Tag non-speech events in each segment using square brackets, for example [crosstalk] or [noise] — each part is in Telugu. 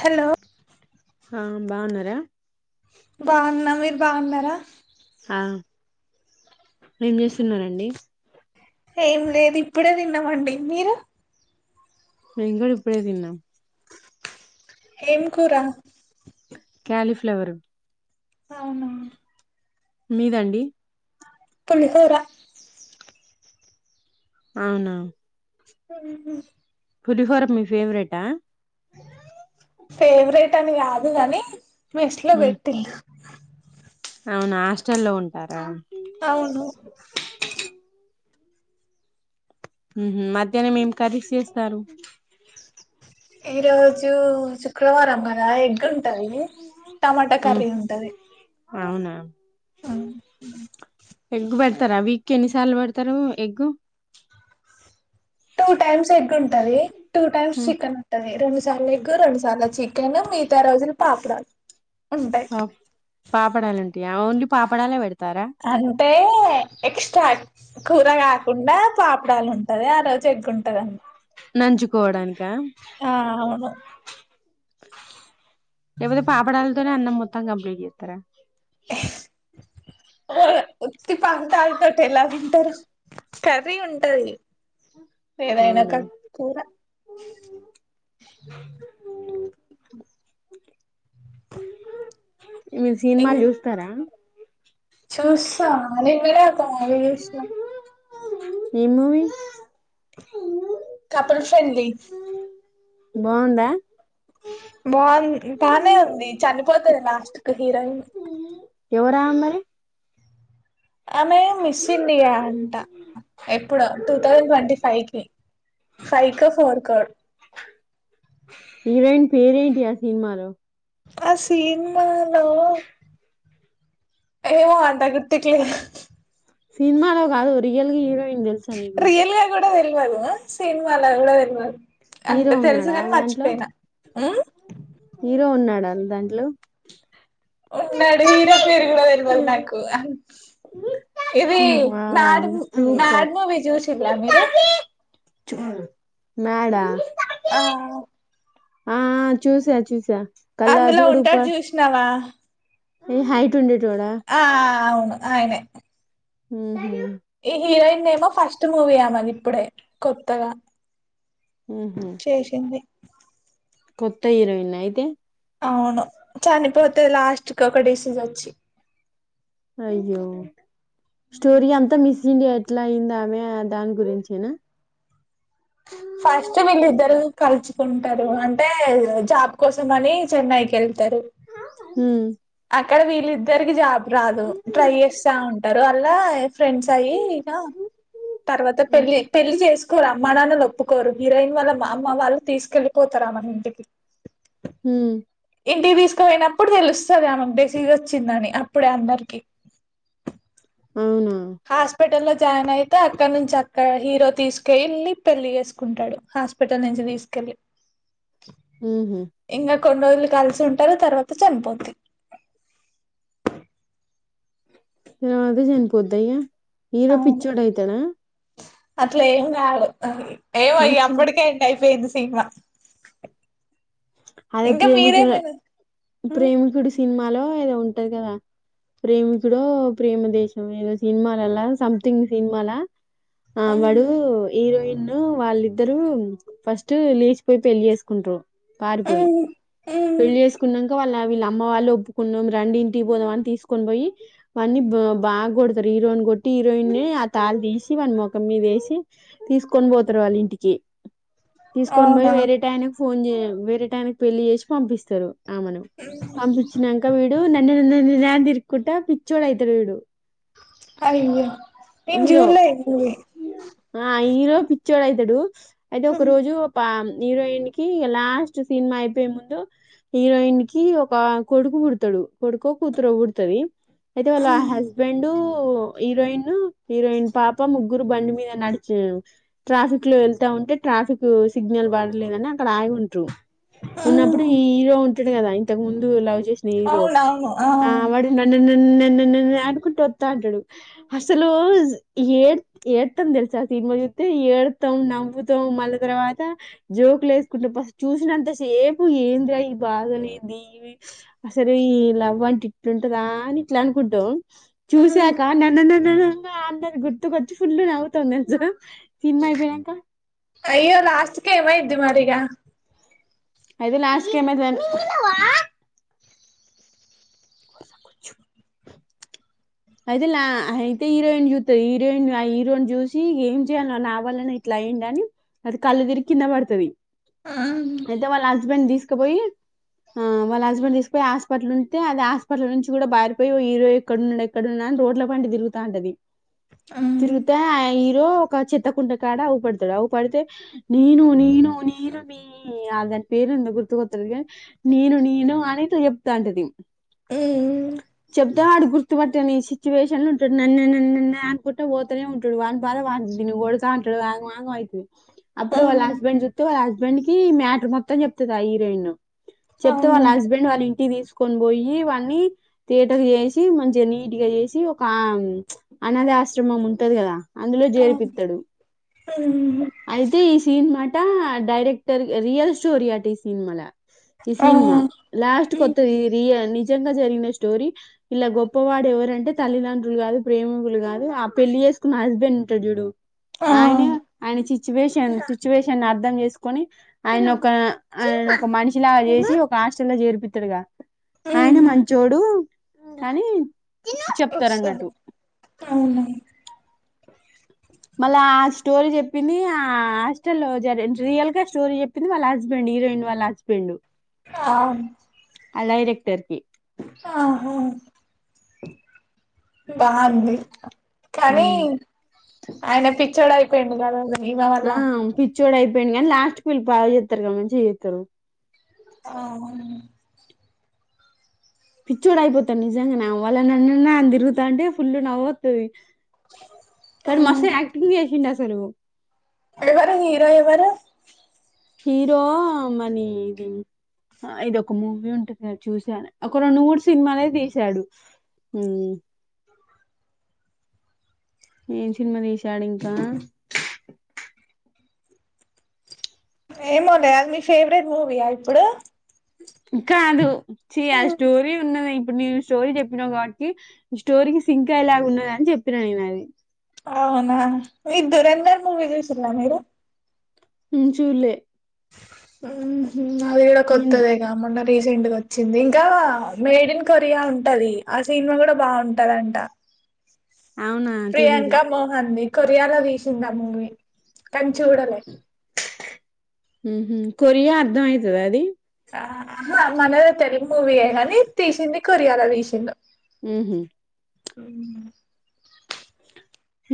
హలో హా బాగున్నార బాగున్న మీరు బాగున్నారా ఆ ఏం చేస్తున్నారండి. ఏం లేదు ఇప్పుడే తిన్నామండి. మీరు మేం కూడా ఇప్పుడే తిన్నాం. ఏం కూర క్యాలిఫ్లవరు అవునా మీదండి. పులిహోరా అవున మ్ హు పులిహోర మీ ఫేవరేటా ఫేవరెట్ అని కాదు కాని మేస్లో ఉమ్, పెట్టిండు ఆ అవునా హాస్టల్లో ఉంటారా అవును మ్ హు మధ్యాహ్నం ఏం కర్రీస్ చేస్తారు. ఈ రోజు శుక్రవారం గదా ఎగ్ ఉం ంటది. టమాటా ఉమ్, కర్రీ ఉంటది. అవునా ఎగ్ పెడతారా వీక్ ఎన్ని సార్లు పెడతారు ఎగ్గు టూ టైమ్స్ ఎగ్ ఉంటది. టూ టైమ్స్ చికెన్ ఉంటంది. రెండ్ డు సార్ల్ ఎగ్ రెండు సార్లు చికెన్ మీగత రోజులు పాప్డాలు ఓహ్ పాపడాలుంటాయా ఓన్లీ పాపడాలే పెడత అంటే ఎక్స్ట్రా కూర కాకుండా పాపడాలుంటది ఆ రోజు ఎగ్గుంటదండ్ నంజుకోవడాని క ఆ అవును లేకపోతే పాపడాలతోనే అన్నం మొత్ త్తం కంప్లీట్ చెత్తర తి పాపడలతోటి ఎలా తింటారు. కర్రీ ఉంటది. ఏదైనా అవునా ఒక కూర ఆ మీరు సినిమాలు చూస్తారా చూస్తామ్ నేను విడగా అవి చూసా ఏం మూవీ కపుల్ ఫ్రెడ్లీ బాగుందా బాగుంది బానే ఉంది చనిపోతది లాస్ట్ కి హీరోయిన్ ఎవరా అమ్మాయి ఆమె Miss India two thousand twenty five లో ఫైవ్ కో ఫోర్ కో హీరోయిన్ పేరేంటి ఆ సినిమాలో ఆ సినిమా లో ఏమో అంత గుర్తుకులేదు సినిమాలో కాదు రియల్ హీరోయిన్ తెలుసా నీకు తెలియదు సినిమాల కూడా తెలువదు హీరో అంటే ఉన్నాడా తెలుసుకాని దాంట్లో మర్చిపోయినా హ్హ్ మ్ హీరో ఉన్నాడా దాంట్లో ఉన్నాడు హీరో పేరు కూడా తెలవదు నాకు ఇది నాడు వావ్ సూపర్ నాగుమూవీ చూసారా మీరు మాడ్ ఆ ఆ ఆ ఆ చూసా చూసా అందులో ఉంటాడు చూసినావా ఈ హైట్ ఉండేడి ఆ ఆ అవును ఆయనే మ్మ్ హ్హ్ ఈ హీరోయిన్ ఏమో ఫస్ట్ మూవీ ఆమెది ఇప్పుడే కొత్తగా ఊహు చేసింది కొత్త హీరోయినా అయితే అవును చనిపోతది లాస్ట్ కి ఒక డిసీజ్ వచ్చి అయ్యో స్టోరీ అంతా మిస్ ఇగ ఎట్లా ఐందమే ఆ దాని గురించేనా ఫస్ట్ వీళ్ళిద్దరు కలుసుకుంటారు అంటే జాబ్ కోసం అని చెన్నైకి వెళ్తారు ఉమ్ అక్కడ వీళ్ళిద్దరికి జాబ్ రాదు ట్రై చేస్తా ఉంటారు అండ్ల ఫ్రెండ్స్ అయ్యి ఇక తర్వాత పెళ్ళి పెళ్లి చేసుకుంటారు అమ్మ నాన్న ఒప్పుకోరు హీరోయిన్ వాళ్ళ అమ్మ వాళ్ళు తీసుకెల్లిపోతారు ఆమెను ఇంటికి హ్హ్ ఇంటికి తీసుకుపోయినప్పుడు తెలుస్తది ఆమెకు డిసీస్ వచ్చిందని అప్పుడే అందరికి అవునా హాస్పిటల్ లో స్కాన్ అయితే అక్కడ నుంచి అక్కడ హీరో తీసుకెళ్ళ్ళి పెళ్లి చేేసుకుంటాడు హాస్పిటల్ నుంచి తీసుకెల్లీ మ్మ్ హ్హ్ కొన్ని రోజులు కలిసి ఉంటారు తర్వాత చనిపోతది రాద చనిపోద్దా హీరో అవును పిచ్చోడు అయితడా అట్లా ఏం కాదు ఏమో ఇగ మంచిగా అప్పటికే అట్లా అయిపోయింది టీమ్ వర్క్ అదే ప్రేమికుడే ఉమ్, ప్రేమికుడు సినిమాలో ఏదో ఉంటది కదా ప్రేమికూడా ప్రేమ దేశం ఏదో సినిమాలలా సమతింగ్ సినిమాల ఆ ఉమ్, బడుగు హీరోయిన్ నన్ను వాళ్ళిద్దరు ఫస్ట్ లేచిపోయి పెళ్లి చేసుకుంటరు పారిపోయి ఉమ్, ఉమ్, పెళ్లి చేసుకున్నాక వాళ్ళ వీళ్ళ అమ్మ వాళ్ళు ఒప్పుకున్నాం రండి ఇంటికి పోదా అని తీసుకొని పోయి అన్నీ బాగా కొడతారు హీరోయిన్ కొట్టి హీరోయినే ఆ తాళ తీసి వాన్ మఖం మీద వేసి తీసుకొని పోతారు వాళ్ళు ఇంటికి తీసుకొని పోయి అవునా వేరే టైనే కి ఫోన్ చే వేరే టైంకి పెళ్లి చేసి పంపిస్తారు ఆ మనం పంపించినాక వీడు నన్న నన్న న ని తిరుక్కుంటా పిచ్చోడు అయితాడు వీడు అయ్యో నేను హీరో చూడలే ఈ మూవీ ఆ హీరో చోడ అవుతాడు అయితే ఒక ఉమ్, రోజు ఒక ప హీరోయిన్ కి లాస్ట్ సినిమా అయిపోయే ముందు హీరోయిన్ కి ఒక కొడుకు పుడతాడు కొడుకో కూతురు పుట్టాది అయితే వాళ్ళ ఉమ్, హస్బెండ్ హీరోయిన్ హీరోయిన్ పాప ముగ్గురు బండి మీద నడిచిన ట్రాఫిక్ లో వెళ్తా ఉంటే ట్రాఫిక్ సిగ్నల్ సిగ్నల్ పడలేదని అక్కడ ఆగి ఉంటరు ఉన్నప్పుడు ఉమ్, ఈ హీరో ఉంటుడు కదా ఇంతకు ముందు లవ్ నెక్స్ట్ హీరో ఆ వాడు నన్ను నన్ను న న ఆడుకుంటూ వద్దా అంటాడు అస ఏ ఏడతాం తెలుసా ఆ సినిమా చూస్తే ఏడతాం నమ్ముతాం మళ్ళ తర్వాత జోకులు వేసుకుంటే బ చూసినంత సేపు ఎంద్ర ఈ బాధనీ ఏంది అసలు ఈ లవ్ అంట ఇట్లుంటదా అని ఇట్లా అనుకొంటాం ఉమ్, చూసాక నన్న నన్న నన్నంగా అన్నది గుర్తుకొచ్చి ఫుల్ నవ్వుతుంది జోక్ అయ్యో లాస్ట్ కి ఏమయిది మరిగా అయితే లాస్ట్ కి ఏం ఆయతాది ఆన్ ఆలా కూర్చో అయితేలా అయితే హీరోయిన్ చూతంది హీరోయిన్ ఆ హీరోయిని చూసి ఏం చేయాలి నా వలనే ఇట్లా అయిడు అని అది కళ్ళు తిరిగి కింద పడుతాది ఉమ్, ఏతే వాళ్ళ హస్బెండ్ తీసుక పోయి ఆ వాళ్ళ హస్బెండ్ తీసుకుపోయి హాస్పిటల్ ఉంటే అది హాస్పిటల్ నుంచి కూడా పారిపోయి హీరో ఎక్కడున్నాడు ఎక్కడున్నా రోడ్ లో పడి తిరుగుతా ఉంటది ఉమ్, తిరుగుతే ఇగో ఒక చెత్తకుండకాడ అవు పడతాది అవు పడితే నేను నేను నేను మీ అ దాని పేరు ఎంత గుర్తుకొత లేదు కానీ నేను నేను అనేత చెప్తా అంటది మ్ చెప్తే వాడు గుర్తు పట్టాని ఈ సిచ్యువేషన్ లో ఉంటాడు నన్న నన్న నన్న అనుకుంటే పోతనే ఉంటాడు వా బా నిన్ను కోటతా అంటాడు ఆగం ఆగం అయితాది అప్పుడు వాళ్ళ ఉమ్, హస్బెండ్ చూస్తతే వాళ్ళ హస్బెండ్ కి మ్యాటర్ మొత్తం చెప్తుంది ఆ హీరోయిన్ చెప్తే అవునా వాళ్ళ హస్బెండ్ వాళ్ళ ఇంటికి తీసుకు కొని పోయి వన్నీ తేట చేసి మంచిగా నీట్గా చేసి ఒక ఆ అన్నది ఆశ్రమం ఉంటది కదా అందులో జేపీత్తడు థీమ్ ఆట డైరెక్టర్ రియల్ స్టోరి ఆట ఈ సినిమాల ఈ ఆ సినిమా లాస్ట్ ఉమ్, కొత్తది ఈ రియా ని నిజంగా జరిగిన స్టోరీ ఇలా గొప్పవాడు ఎవరంటే తల్లిదండ్రులు కాదు ప్రేమికులు కాదు ఆ పెళ్లి ఆ హస్బెండ్ ఉంటాడు చూడు ఆ ఆయనే ఆయనే సిచూవేషన్ సిచూవేషన్ అర్థం చెస్ కని ఆయన ఒక ఆయన ఒక మనిషిలాగా చేసి ఒక హాస్టల్ లో చేర్పిస్తాడుగా ఆయన మంచోడు కానీ సర అవున మళ్ళా ఆ స్టోరీ చెప్పింది ఆ హాస్టల్లో లో జరి రియల్ గా స్టోరీ చెప్పింది వాళ్ళ హస్బెండ్ తీ రెండు వాలచ్చపిడు ఆ అలా రెక్టర్కి ఆహూ బాంది కానీ ఉమ్. ఆయన పిచ్చోడు అయిపోయిండు కదా ఈమె వల్ల ఆ పిచ్చోడు అయిపోయిండు కానీ లాస్ట్ వీళ్లు బాగా చేత్తారు క మంచిగ చేతారు ఆ పిచ్చోడు అయిపోతాను నిజంగా న వాళ నన్నన్నా అని తిరుగుతా అంటే ఫుల్లు నవ్వుతు కని మస్త్ యాక్టింగ్ చేసిండు అసలు ఎవరు హీరో ఎవరు హీరో మనీ ఇది ఆ ఇది ఒక మూవీ ఉంటుంది చూసాను ఒక రెండు మూడు సినిమాలే తీసాడు. ఉ ఏం సినిమా తీసాడు ఇంకా ఏమోలే నీ ఫేవరెట్ మూవీయా ఇప్పుడు కాదు ఛీ ఆ స్టోరీ ఉన్నది ఇప్పుడు నేను స్టోరీ చెప్పినా కాబట్టి స్టోరీకి సింక్ అయ్యేలాగా ఉన్నద అని చెప్పినాను నేను అది అవునా మీ ధురేందర్ మూవీ చూసిర్రా మీరు ఉ చూలే ఉహు అది కూడా నేను కొత్తదే మొన్న రీసెంట్గా వచ్చింది. ఇంకా మేడ్ ఇన్ కొరియా ఉంటది. ఆ సినిమా కూడా బాగుంటదంట. అవునా తెలీదు ప్రియాంక మోహన్ ది కొరియాలో తీసింది ఆ మూవీ కన్ చూడలే ఉహు, కొరియా అర్థమయితదా అండి అహ అలానేది తెలుగు మూవీయే కానీ తీసింది కొరియాల తీసిండు ఉహు అ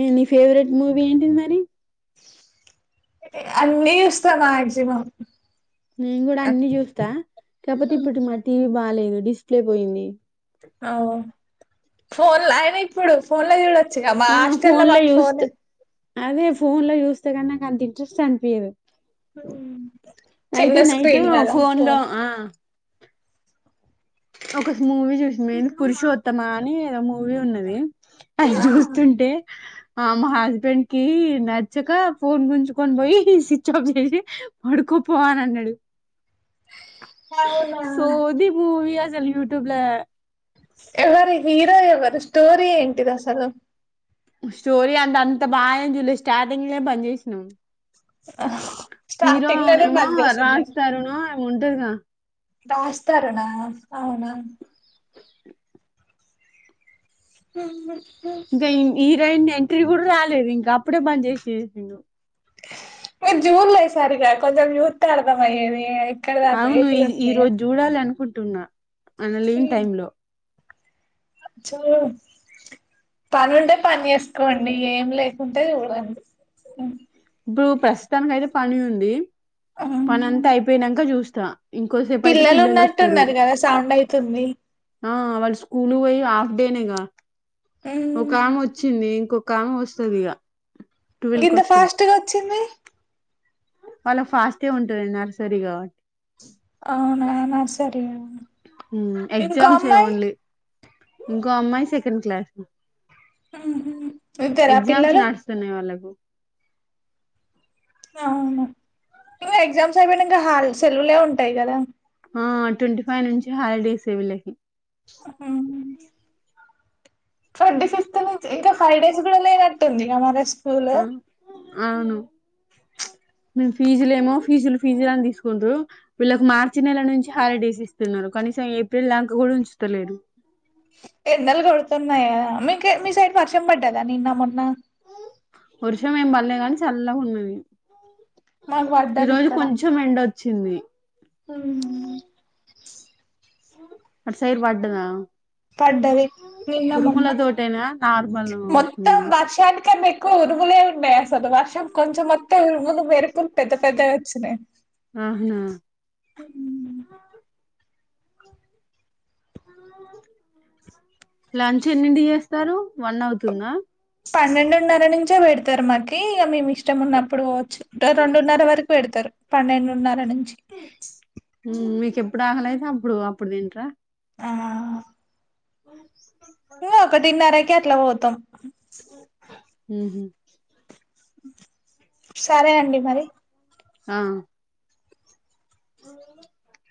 ఉ నీ ఫేవరెట్ మూవీ ఏంటి మరి అన్నీ చూస్త మాక్సిమమ్ నేను కూడా అన్ని చూస్తా కాకపోతే ఇప్పుడు మా టీవీ బాలేదు డిస్ప్లే పోయింది. అఓ ఫోన్ లా అయనా ఇప్పుడు ఫోన్ లో చుడ్ చ్చగా మా ఆ హాస్టల్లో లో మక్ చూస్తా ఫోనే అదే ఫోన్ లో చూస్తే కానీ నాకు అంత ఇంట్రెస్ట్ అనిపియ్యదు. చిన్న అయితే నైట్ స్క్రీన్ కదా పోన్లో ఫోన్ ఆ ఒక మూవీ చూసింది పురుషోత్తమ అని ఏదో మూవీ ఉంది అది ఆహా జూస్తుంటే ఆ మా హస్బెండ్ కి నచ్చక ఫోన్ గుంచుకొని పోయి స్విచ్ ఆఫ్ చేసి పడుకు పోవ నన్నెడు అవునా సోది మూవీ అసలు యూట్యూబ్ల ఎవరి హీరో ఎవరు స్టోరి ఏంటి దసలు స్టోరీ అంటే అంత బాగా చూలే స్టార్టింగ్ లో పని చేసినావు హీరో స్టార్టింగ్ అవునే లోనే ఏమో బంద్ చేసిండా రాజ్ తరును ఏమో ఉంటడుగా రాస్తారణ అవునా ఉ ఉ ఇంకా ఈరోయిన్ ఎంట్రీ కూడా రాలేదు ఇంకా అప్పుడే బంద్ చేసేసీ మీరు జూన్లో ఏసారిగా కొంచెం జూత్తే అర్థం అయ్యేవి అవును ఈ ఈ రోజు జూడాలి అనుకుంటున్నా ఆయన లీవ్ టైం లో అచ్చా పని ఉంటే పని చేసుకోండి ఏం లేకుంటే చూడండి ఇప్పుడు ప్రస్తుతానికి అయితే పని ఉంది. పని అంతా అయిపోయినంక చూస్తా. ఇంకోసేపు అయితే పిల్లలు వస్తరు ఉన్నట్టున్నారు కదా సౌండ్ అయితుంది ఆ వాళ్ళు స్కూల్కు పోయి హాఫ్ డేనేగా ఒక ఆమె వచ్చింది ఇంకొ ఒకామే వస్తది ఇగ ట్వెల్వ్ కి గింత ఫాస్ట్ గా వచ్చింది వాళ్ళక్ ఫాస్టే ఉంటది నరసరి గాబట్టి అవునా నరసరియా ఉమ్ ఎగ్జామ్స్ ఏ ఓన్లీ ఇంకో అమ్మాయి సెకండ్ క్లాస్ ఇద్దరా ఎగ్జామ్స్ పిల్లలు నడుస్తున్నాయి వాళ్ళకు అవునా ఇంగా ఎగ్జామ్స్ అయిపోయినంకా హ సెల్లవులే ఉంటాయి గదా ఆ ట్వంటీ ఫైవ్ నుంచి హాలిడేసే వీళ్ళకి హ [inaudible] ట్వంటీ ఫిఫ్త్ నుంచి ఇంకా ఫైవ్ డేస్ గూడా లేనట్టుందిగ మరే ఉమ్అవును [inaudible] మేము ఫీజులు ఏమో ఫీజులు ఫీజులని తీసుకుండ్రు వీళ్ళకి మార్చి నెల నుంచి హాలిడేస్ ఇస్తున్నరు కనీసం ఏప్రిల్ దాంక గూడా ఉంచుతలేడు ఎండలు కొడుతున్నాయా గదా మీ మీ సైడ్ వర్షం బడ్డదా నిన్న మొన్న వర్షం ఏం బడ్లే గాని చల్లగున్నది మాకు ఈ పడ్డది రోజు ఇక్కడ కొంచెం ఎండొ చ్చింది ఉమ్ అట్ సైడ్ బడ్డదా పడ్డది నిన్న మొన్నా తోటేనా నార్మల్ మొత్తం వర్షమేనా దర్షానికన్నా ఎక్కువ ఉరుములే ఉన్నయ్ అ వర్షం కొంచెం వత్తే ఉరుములు మెరు పుల్ పెద్ద పెద్ద వచ్చినాయి ఆహనా లంచ్ ఎన్నింటి జేస్తారు వన్ అవుతుందా కూర్చోపెడతారు మాకి ఇగ మేము ఇష్టం ఉన్నప్పుడు పోవచ్చు రెండున్నర వరకు పెడతారు పన్నెండున్నర నుంచి మీకు ఎప్పుడు ఆకలయితే అప్పుడు అప్పుడు తింటరా ఆ ఉ [inaudible] ఇంగా ఒకటిన్నరకి అట్లా పోతాం హుహూ సరే అండి మరి ఆ అవు [inaudible]